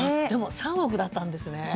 でも３億だったんですね。